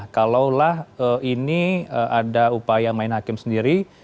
kalaulah ini ada upaya main hakim sendiri